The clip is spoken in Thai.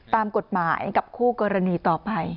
ตามกฎหมายกับคู่กรณีต่อไป